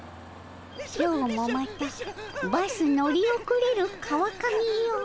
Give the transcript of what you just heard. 「今日もまたバス乗り遅れる川上よ